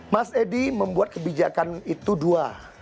mas edi membuat kebijakan itu dua